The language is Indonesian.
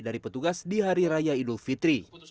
dari petugas di hari raya idul fitri